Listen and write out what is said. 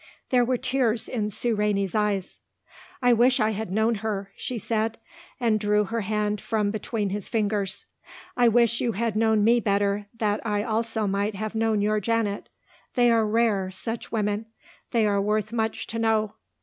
There were tears in Sue Rainey's eyes. "I wish I had known her," she said and drew her hand from between his fingers. "I wish you had known me better that I also might have known your Janet. They are rare such women. They are worth much to know.